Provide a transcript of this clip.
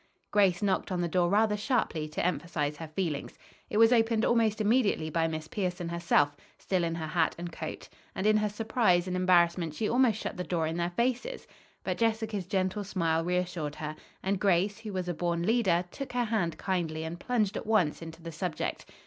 Grace knocked on the door rather sharply to emphasize her feelings. It was opened almost immediately by Miss Pierson herself, still in her hat and coat; and in her surprise and embarrassment she almost shut the door in their faces. But Jessica's gentle smile reassured her, and Grace, who was a born leader, took her hand kindly and plunged at once into the subject.